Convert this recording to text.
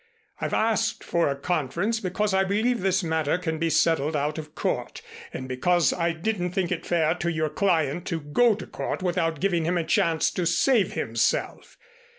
I've asked for a conference because I believe this matter can be settled out of court, and because I didn't think it fair to your client to go to court without giving him a chance to save himself.